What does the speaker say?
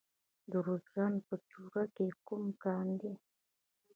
د ارزګان په چوره کې کوم کان دی؟